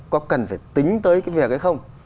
có cần phải tính tới cái việc hay không